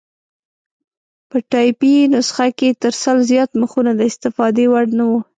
په ټایپي نسخه کې تر سل زیات مخونه د استفادې وړ نه وو.